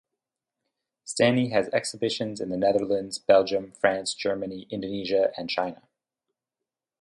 Stani has exhibitions in the Netherlands, Belgium, France, Germany, Indonesia and China.